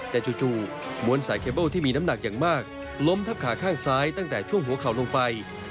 แต่จู่ม้วนสายเคเบิ้ลที่มีน้ำหนักอย่างมากล้มทับขาข้างซ้ายตั้งแต่ช่วงหัวเข่าลงไป